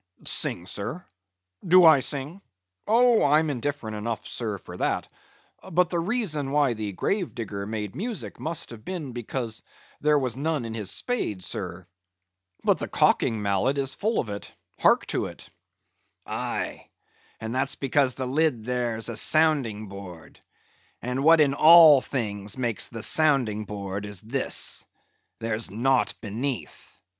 "Sing, sir? Do I sing? Oh, I'm indifferent enough, sir, for that; but the reason why the grave digger made music must have been because there was none in his spade, sir. But the caulking mallet is full of it. Hark to it." "Aye, and that's because the lid there's a sounding board; and what in all things makes the sounding board is this—there's naught beneath.